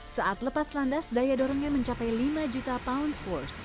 saat lepas landas daya dorongnya mencapai lima juta pound spurs